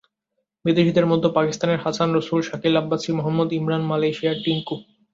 বিদেশিদের মধ্যে পাকিস্তানের হাসান রসুল, শাকিল আব্বাসি, মোহাম্মদ ইমরান, মালয়েশিয়ার টিংকু।